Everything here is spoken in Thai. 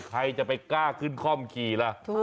ใครจะไปกล้าขึ้นคล่อมขี่ล่ะ